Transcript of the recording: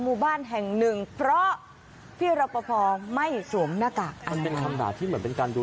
หมู่บ้านแห่งหนึ่งเพราะพี่รอปภไม่สวมหน้ากากอันนี้เป็นคำด่าที่เหมือนเป็นการดู